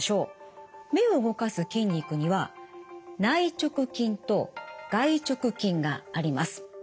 目を動かす筋肉には内直筋と外直筋があります。